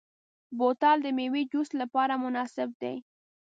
بوتل د میوې جوس لپاره مناسب دی.